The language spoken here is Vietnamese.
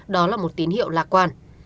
đó là một tín hiệu lạc quan